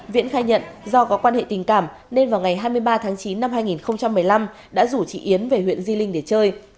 viễn khai nhận do có quan hệ tình cảm nên vào ngày hai mươi ba tháng chín năm hai nghìn một mươi năm đã rủ chị yến về huyện di linh để chơi